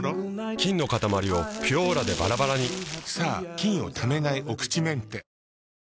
菌のかたまりを「ピュオーラ」でバラバラにさぁ菌をためないお口メンテ。